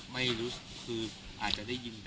ไม่รู้คืออาจจะได้ยิน